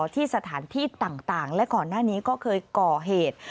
ที่สถานที่ต่างและก่อนหน้านี้ก็เคยก่อเหตุ